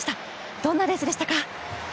どんなレースでしたか？